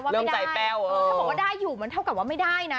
เริ่มใจแป้วถ้าบอกว่าได้อยู่เหมือนเท่ากันว่าไม่ได้นะ